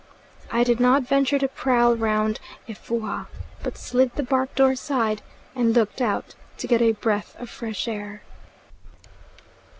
I did not venture to prowl round Efoua; but slid the bark door aside and looked out to get a breath of fresh air.